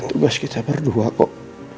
tugas kita berdua kok